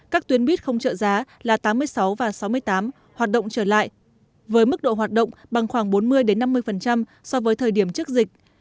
các tuyến buýt không trợ giá là tám mươi sáu và sáu mươi tám hoạt động trở lại với mức độ hoạt động bằng khoảng bốn mươi năm mươi so với thời điểm trước dịch